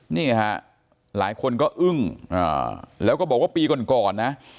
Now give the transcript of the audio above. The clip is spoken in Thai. นี่ฮะหลายคนก็อึ้งแล้วก็บอกว่าปีก่อนนะ